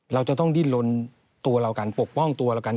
เราจะต้องดิ้นลนตัวเรากันปกป้องตัวเรากัน